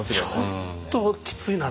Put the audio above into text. ちょっときついなと。